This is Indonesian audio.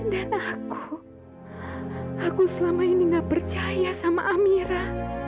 dan aku aku selama ini gak percaya sama amira